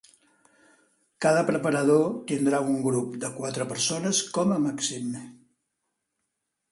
Cada preparador tindrà un grup de quatre persones com a màxim.